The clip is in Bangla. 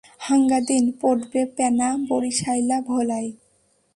হাঙ্গা দিন পোটবে প্যানা বরিশাইল্লা ভোলায়।